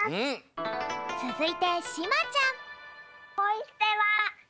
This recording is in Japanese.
つづいてしまちゃん。